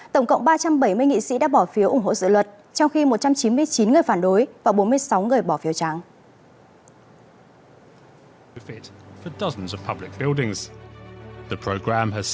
tổng cộng ba trăm bảy mươi nghị sĩ đã bỏ phiếu ủng hộ dự luật trong khi một trăm chín mươi chín người phản đối và bốn mươi sáu người bỏ phiếu trắng